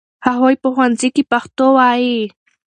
هغوی په ښوونځي کې پښتو وايي.